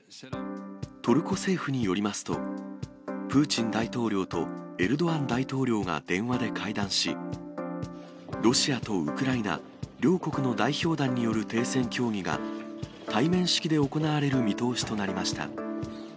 トルコ政府によりますと、プーチン大統領とエルドアン大統領が電話で会談し、ロシアとウクライナ、両国の代表団による停戦協議が、対面式で行われる見通しとなりました。